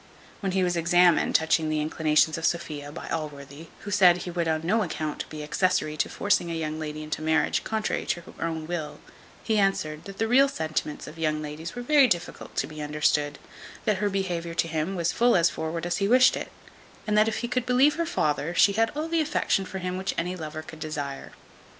When he was examined touching the inclinations of Sophia by Allworthy, who said, "He would on no account be accessary to forcing a young lady into a marriage contrary to her own will;" he answered, "That the real sentiments of young ladies were very difficult to be understood; that her behaviour to him was full as forward as he wished it, and that if he could believe her father, she had all the affection for him which any lover could desire.